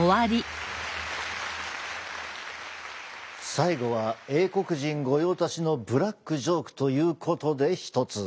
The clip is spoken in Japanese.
最後は英国人御用達のブラックジョークということでひとつ。